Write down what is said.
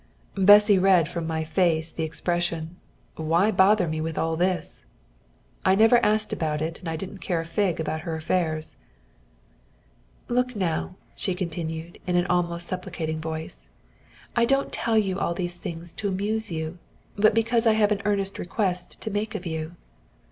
Bessy read from my face the expression, "Why bother me with all this?" I never asked about it, and I didn't care a fig about her affairs. "Look now," continued she, in an almost supplicating voice, "I don't tell you all these things to amuse you, but because I have an earnest request to make of you."